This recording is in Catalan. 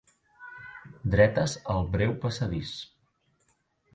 Dretes al breu passadís.